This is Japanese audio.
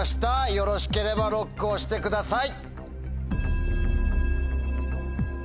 よろしければＬＯＣＫを押してください。